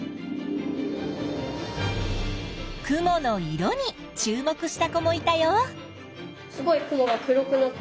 雲の色に注目した子もいたよ。